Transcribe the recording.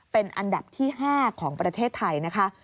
เป็นอันดับที่๕ของประเทศไทยนะคะ